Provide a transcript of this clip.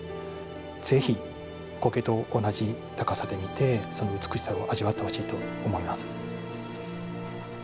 ぜひ、苔と同じ高さで見てその美しさを味わってほしいと思います。